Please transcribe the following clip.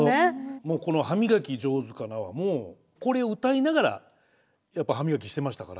もうこの「はみがきじょうずかな」はもうこれ歌いながらやっぱ歯磨きしてましたから。